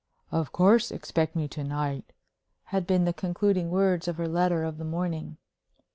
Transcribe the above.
"Of course, expect me to night," had been the concluding words of her letter of the morning.